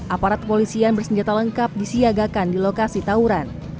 aparat kepolisian bersenjata lengkap disiagakan di lokasi tauran